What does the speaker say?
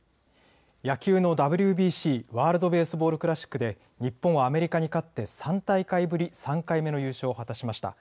野球のＷＢＣ・ワールド・ベースボール・クラシックで日本はアメリカに勝って３大会ぶり３回目の優勝を果たしました。